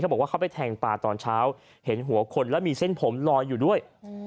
บอกว่าเขาไปแทงปลาตอนเช้าเห็นหัวคนแล้วมีเส้นผมลอยอยู่ด้วย